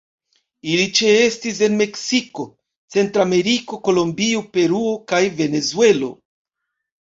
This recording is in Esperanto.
Ili ĉeestis en Meksiko, Centrameriko, Kolombio, Peruo kaj Venezuelo.